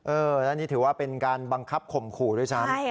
เออแล้วนี้ถือว่าเป็นการบังคับข่มขู่ด้วยใช่ไหม